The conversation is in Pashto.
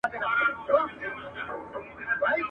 خوشحال بلله پښتانه د لندو خټو دېوال !.